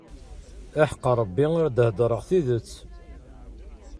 Aḥeqq Rebbi ar d-heddṛeɣ tidet.